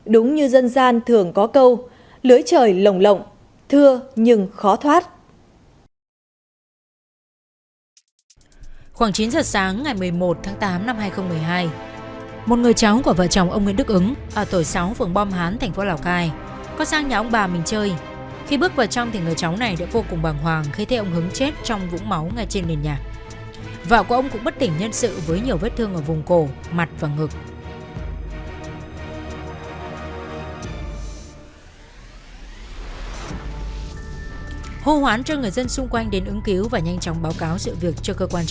đúng như dân gian thường có câu lưới trời lồng lộng thưa nhưng khó thoát